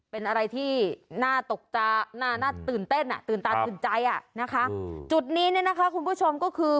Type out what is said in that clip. เป็นอะไรที่น่าตกใจน่าตื่นเต้นอ่ะตื่นตาตื่นใจอ่ะนะคะจุดนี้เนี่ยนะคะคุณผู้ชมก็คือ